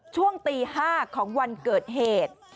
ช่วงตี๕ของวันเกิดเหตุ